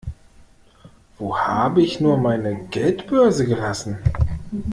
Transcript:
Wo habe ich nur meine Geldbörse gelassen?